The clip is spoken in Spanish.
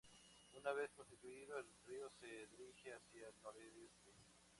Una vez constituido, el río se dirige hacia el noroeste.